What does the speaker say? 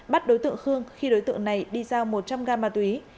bắt đối tượng khương khi đối tượng này đi giao một trăm linh gam ma túy